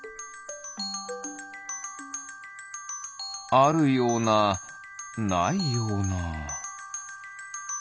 あるようなないような。